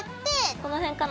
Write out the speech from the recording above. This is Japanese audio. この辺かな？